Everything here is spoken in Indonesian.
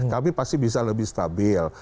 kami pasti bisa lebih stabil